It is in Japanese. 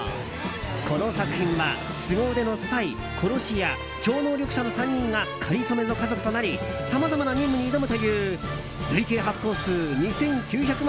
この作品は、すご腕のスパイ殺し屋、超能力者の３人がかりそめの家族となりさまざまな任務に挑むという累計発行数２９００万